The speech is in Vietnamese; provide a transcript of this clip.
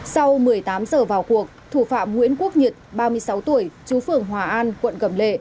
sau một mươi tám giờ vào cuộc thủ phạm nguyễn quốc nhật ba mươi sáu tuổi chú phường hòa an quận cầm lệ